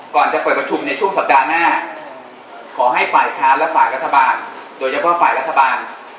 ก่อนจะเปิดประชุมในช่วงสัปดาห์หน้าขอให้ฝ่ายค้านและฝ่ายรัฐบาลโดยเฉพาะฝ่ายรัฐบาล